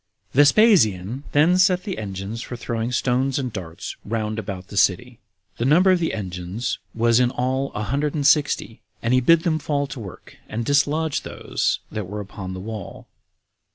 9. Vespasian then set the engines for throwing stones and darts round about the city. The number of the engines was in all a hundred and sixty, and bid them fall to work, and dislodge those that were upon the wall.